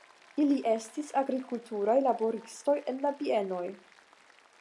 Ili estis agrikulturaj laboristoj en la bienoj.